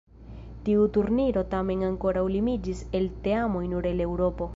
Tiu turniro tamen ankoraŭ limiĝis al teamoj nur el Eŭropo.